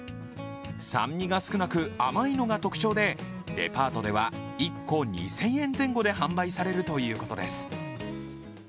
酸味が少なく甘いのが特徴で、デパートでは１個２０００円前後で販売されるということです。